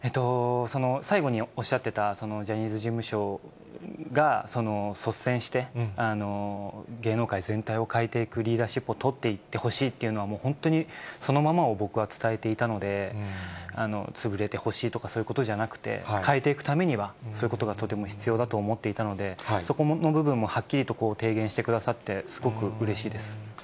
最後におっしゃってたジャニーズ事務所が率先して芸能界全体を変えていくリーダーシップを取っていってほしいというのは、もう本当にそのままを僕は伝えていたので、潰れてほしいとか、そういうことじゃなくて、変えていくためには、そういうことがとても必要だと思っていたので、そこの部分もはっきりと提言してくださって、すごくうれしいです。